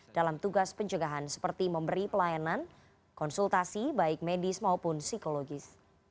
dalam tugas pencegahan seperti memberi pelayanan konsultasi baik medis maupun psikologis